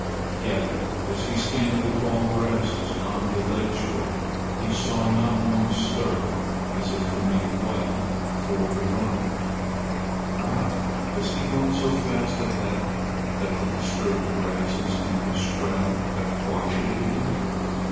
Yet as he scanned the tall grasses on the lake shore, he saw not one stir as if to make way for the runner. "Ah, has he gone so fast ahead that the disturbed grasses in his trail have quieted again?"